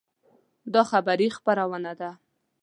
دا خبري خپرونه ده